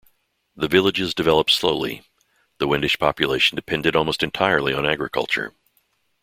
The villages developed slowly; the Wendish population depended almost entirely on agriculture.